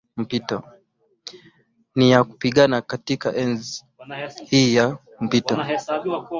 ni ya kupingana Katika enzi hii ya mpito